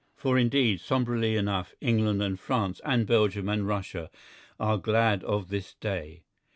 For, indeed, sombrely enough England and France and Belgium and Russia are glad of this day.